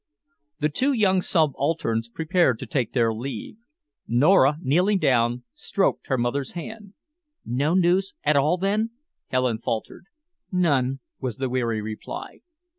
The two young subalterns prepared to take their leave. Nora, kneeling down, stroked her stepmother's hand. "No news at all, then?" Helen faltered. "None," was the weary reply.